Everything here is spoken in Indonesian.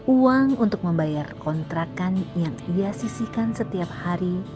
uang untuk membayar kontrakan yang ia sisikan setiap hari